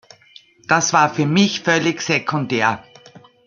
Das war für mich völlig sekundär.